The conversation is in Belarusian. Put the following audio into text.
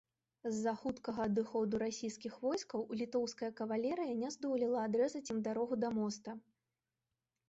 З-за хуткага адыходу расійскіх войскаў літоўская кавалерыя не здолела адрэзаць ім дарогу да моста.